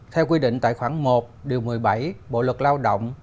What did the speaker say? theo quy định tài khoản một điều một mươi bảy bộ luật lao động